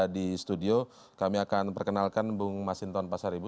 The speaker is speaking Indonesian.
di studio kami akan perkenalkan bung masinton pasar ibu